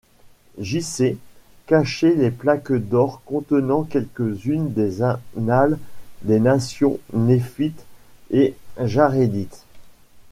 J-C., caché les plaques d'or contenant quelques-unes des annales des nations néphite et jarédite.